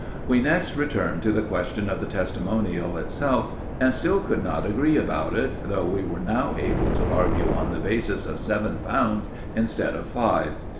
We next returned to the question of the testimonial itself, and still could not agree about it, though we were now able to argue on the basis of seven pounds instead of five.